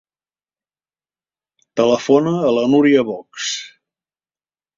Telefona a la Núria Box.